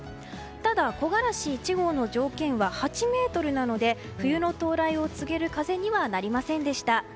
ただ木枯らし１号の条件は８メートルなので冬の到来を告げる風にはなりませんでした。